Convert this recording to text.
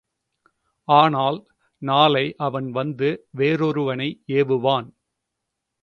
ஆனால், நாளை அவன் வந்து வேறொருவனை ஏவுவான்.